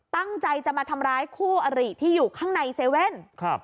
ตั้งใจจะมาทำร้ายคู่อริที่อยู่ข้างในเซเว่นครับ